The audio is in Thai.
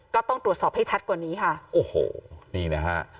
ก็ต้องตรวจสอบให้ชัดกว่านี้นะครับ